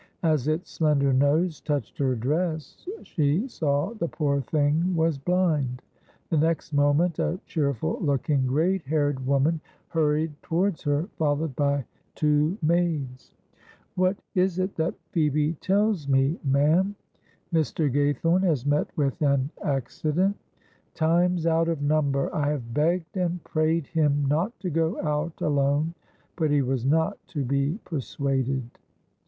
As its slender nose touched her dress, she saw the poor thing was blind. The next moment a cheerful looking, grey haired woman hurried towards her, followed by two maids. "What is it that Phoebe tells me, ma'am; Mr. Gaythorne has met with an accident? Times out of number I have begged and prayed him not to go out alone; but he was not to be persuaded."